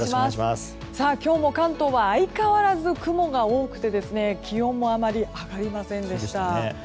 今日も関東は相変わらず雲が多くて気温もあまり上がりませんでした。